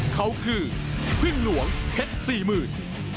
เขาคือพึ่งหลวงเพชรสี่หมื่น